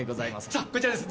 さあこちらです。